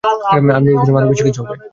আমি ভেবেছিলাম আর কিছু বেশি হবে।